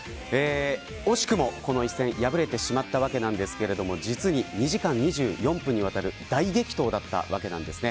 惜しくも、この一戦破れてしまったわけなんですが実に２時間２４分にわたる大激闘だったわけなんですね。